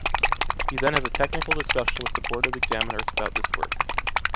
He then has a technical discussion with the board of examiners about this work.